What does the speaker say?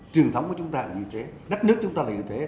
truyền thống của chúng ta là như thế đất nước chúng ta là như thế